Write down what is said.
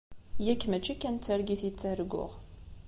Yak mačči kan d targit i ttarguɣ.